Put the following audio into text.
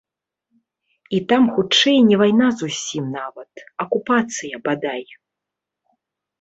І там хутчэй не вайна зусім нават, акупацыя, бадай.